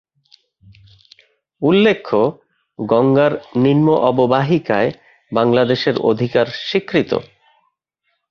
উল্লেখ্য, গঙ্গার নিম্ন অববাহিকায় বাংলাদেশের অধিকার স্বীকৃত।